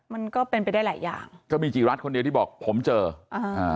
มันก็เป็นไปได้หลายอย่างก็มีจีรัฐคนเดียวที่บอกผมเจออ่าอ่า